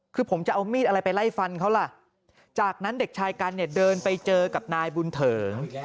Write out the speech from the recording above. คือผมจะเอามีดอะไรไปไล่ฟันเขาล่ะจากนั้นเด็กชายกันเนี่ยเดินไปเจอกับนายบุญเถิง